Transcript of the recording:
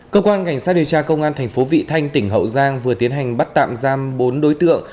cơ quan cảnh sát điều tra công an thành phố vị thanh tỉnh hậu giang vừa tiến hành bắt tạm giam bốn đối tượng